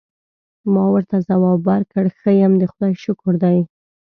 ما ورته ځواب ورکړ: ښه یم، د خدای شکر دی.